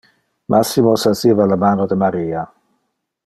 Massimo sasiva le mano de Maria.